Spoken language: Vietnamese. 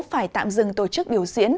phải tạm dừng tổ chức biểu diễn